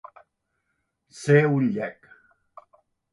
Ser un llec.